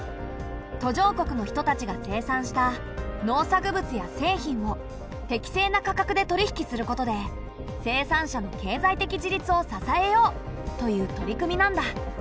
途上国の人たちが生産した農作物や製品を適正な価格で取り引きすることで生産者の経済的自立を支えようという取り組みなんだ。